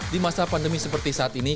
di masa pandemi seperti saat ini